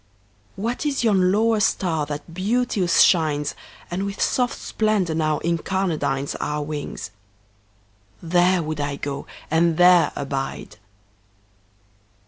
What is yon lower star that beauteous shines And with soft splendor now incarnadines Our wings? There would I go and there abide."